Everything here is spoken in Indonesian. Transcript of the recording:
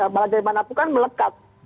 malah dari mana pun kan melekat